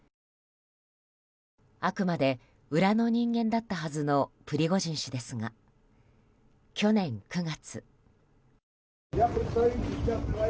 あくまで裏の人間だったはずのプリゴジン氏ですが、去年９月。